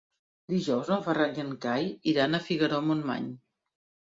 Dijous en Ferran i en Cai iran a Figaró-Montmany.